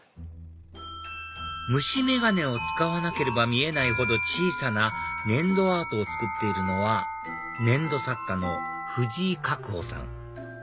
虫眼鏡を使わなければ見えないほど小さな粘土アートを作っているのは粘土作家のフジイカクホさん